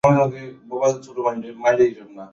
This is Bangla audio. আজ তোমাকে আমার কাছ থেকে সরিয়ে নেবার ধাক্কা এসেছে।